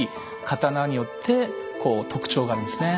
刀によってこう特徴があるんですね。